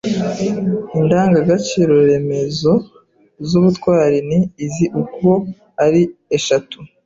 Indangagaciro remezo z’ubutwari ni izi uko ari eshatu: